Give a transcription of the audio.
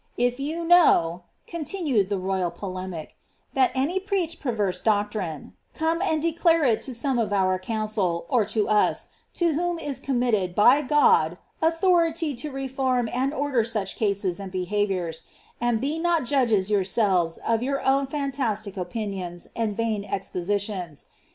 If you know," continued the royal polemic, ^^ that any preach perverse doe trine, come and declare it to some of our council, or to us, to whom is committed, by God, authority to reform and order such cases and be haviours ; and be not judges yourselves of your own fantastical opi nions, and vain expositions.